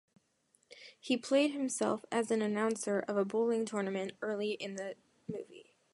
He played himself as an announcer of a bowling tournament early in the movie.